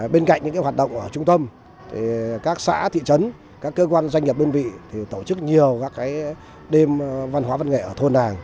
bên cạnh những hoạt động ở trung tâm các xã thị trấn các cơ quan doanh nghiệp đơn vị tổ chức nhiều các đêm văn hóa văn nghệ ở thôn nàng